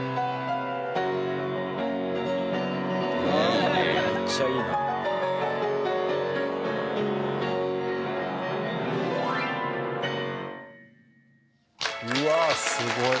いいねぇめっちゃいいなうわすごい！